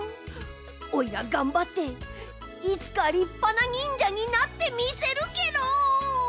オイラがんばっていつかりっぱな忍者になってみせるケロ！